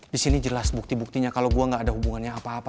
disini jelas bukti buktinya kalo gue gak ada hubungannya apa apa